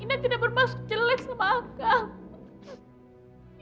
inah tidak bermaksud jelek sama kang